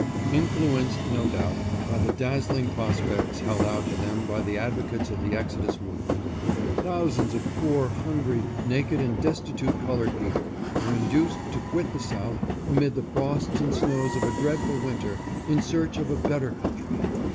Influenced, no doubt, by the dazzling prospects held out to them by the advocates of the exodus movement, thou sands of poor, hungry, naked and destitute colored people were induced to quit the South amid the frosts and snows of a dreadful winter in search of a better country.